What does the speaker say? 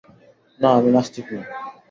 না, আমি নাস্তিক না।